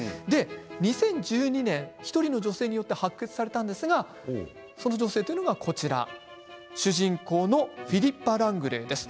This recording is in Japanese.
２０１２年１人の女性によって発掘されたんですがその女性というのがこちら主人公のフィリッパ・ラングレーです。